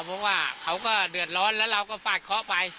เพราะว่าเขาก็เดือดร้อนแล้วเราก็ฟาดเคาะไป